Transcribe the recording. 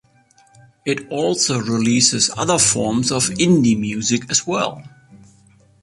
It also releases other forms of indie music as well.